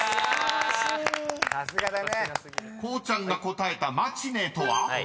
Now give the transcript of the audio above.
［こうちゃんが答えた「マチネー」とは？］